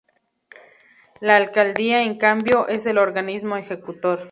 La Alcaldía, en cambio, es el organismo ejecutor.